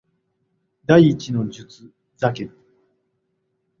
第一の術ザケル